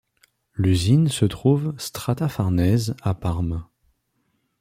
L'usine se trouve Strada Farnèse à Parme.